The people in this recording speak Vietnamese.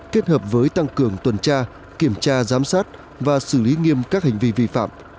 kết hợp với tăng cường tuần tra kiểm tra giám sát và xử lý nghiêm các hành vi vi phạm